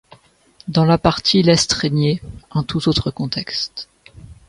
Dans la partie l'Est régnait...un tout autre contexte.